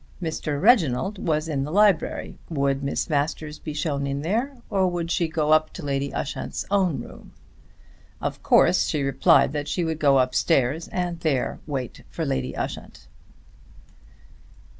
Mr. Reginald was in the library. Would Miss Masters be shown in there, or would she go up to Lady Ushant's own room? Of course she replied that she would go up stairs and there wait for Lady Ushant.